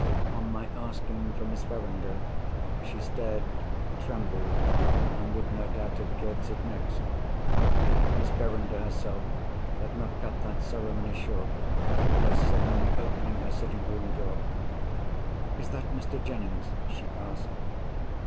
On my asking for Miss Verinder, she stared, trembled, and would no doubt have curtseyed next, if Miss Verinder herself had not cut that ceremony short, by suddenly opening her sitting room door. "Is that Mr. Jennings?" she asked.